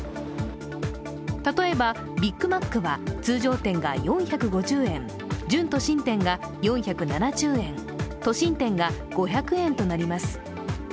例えば、ビッグマックは通常店が４５０円、準都心店が４７０円、都心店が５００円となります。